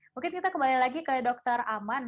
mungkin kita kembali lagi ke dokter aman